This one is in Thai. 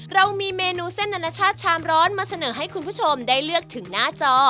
เรามีเมนูเส้นอนาชาติชามร้อนมาเสนอให้คุณผู้ชมได้เลือกถึงหน้าจอ